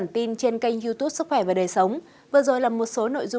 một tình hình dịch covid một mươi chín